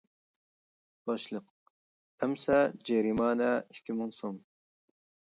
باشلىق : ئەمسە جەرىمانە ئىككى مىڭ سوم.